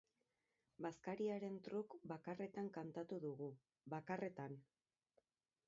Bazkariaren truk bakarretan kantatu dugu, bakarretan!